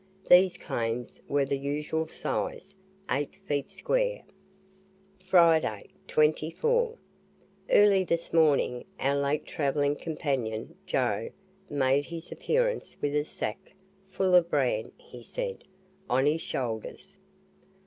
These claims were the usual size, eight feet square. FRIDAY, 24. Early this morning our late travelling companion, Joe, made his appearance with a sack (full of bran, he said,) on his shoulders.